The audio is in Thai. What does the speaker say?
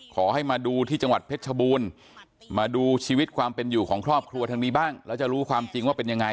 ขอให้มาดูที่จังหวัดเพชรชบูรณ์มาดูชีวิตความเป็นอยู่ของครอบครัวทางนี้บ้างแล้วจะรู้ความจริงว่าเป็นยังไง